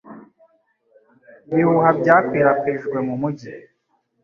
Ibihuha byakwirakwijwe mu mujyi